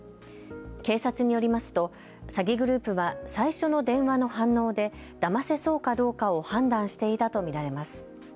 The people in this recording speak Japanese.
警察によりますと詐欺グループは最初の電話の反応でだませそうかどうかを判断していたと見られます。